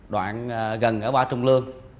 đoạn gần ở ba trung lương